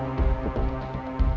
ya ada tiga orang